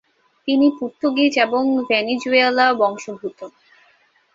তিনি পর্তুগিজ এবং ভেনিজুয়েলা বংশোদ্ভূত।